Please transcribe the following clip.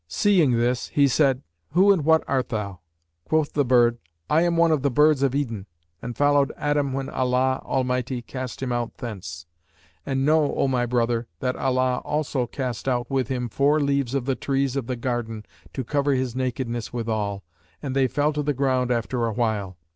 Seeing this he said, 'Who and what art thou?' Quoth the bird, 'I am one of the birds of Eden and followed Adam when Allah Almighty cast him out thence. And know, O my brother, that Allah also cast out with him four leaves of the trees of the garden to cover his nakedness withal, and they fell to the ground after awhile.